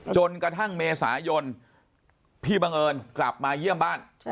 จนกระทั่งเมษายนพี่บังเอิญกลับมาเยี่ยมบ้าน